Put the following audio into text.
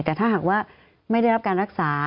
แต่ถ้าหากว่าไม่ได้รับการรักษา